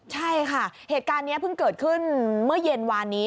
ใช่ค่ะเหตุการณ์นี้เพิ่งเกิดขึ้นเมื่อเย็นวานนี้